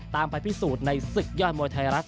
ไปพิสูจน์ในศึกยอดมวยไทยรัฐ